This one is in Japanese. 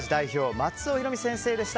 松尾弘美先生でした。